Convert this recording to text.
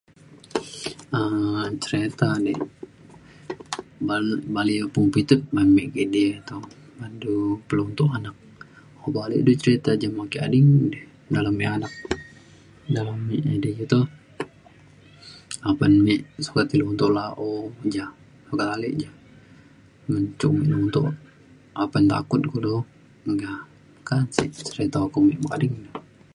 um cerita di ba- bali lepung pitut do me kidi toh man du peluntok anak obak ale du cerita je me ake ading di dalem me anak dalem mik idai iu toh apan me sukat luntok la’o ja ban ale ja ngan cuk mik luntok apan takut kulo meka meka sek cerita oko me bekading